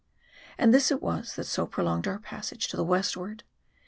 And this it was that so prolonged our passage to the westward.